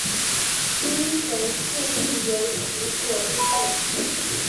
英雄剑亦由其所铸。